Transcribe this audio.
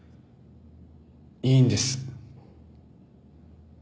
いいんです。